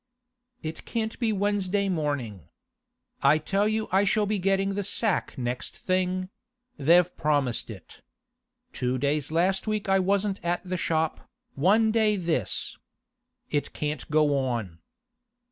'It can't be Wednesday morning. I tell you I shall be getting the sack next thing; they've promised it. Two days last week I wasn't at the shop, and one day this. It can't go on.